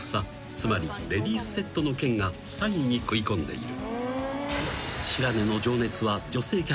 つまりレディースセットの件が３位に食い込んでいる］